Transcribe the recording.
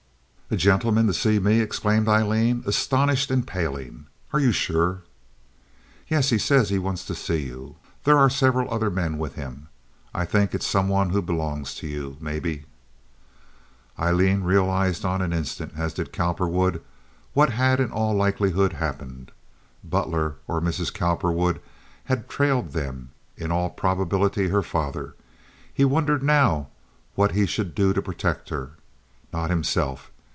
"A gentleman to see me!" exclaimed Aileen, astonished and paling. "Are you sure?" "Yes; he says he wants to see you. There are several other men with him. I think it's some one who belongs to you, maybe." Aileen realized on the instant, as did Cowperwood, what had in all likelihood happened. Butler or Mrs. Cowperwood had trailed them—in all probability her father. He wondered now what he should do to protect her, not himself.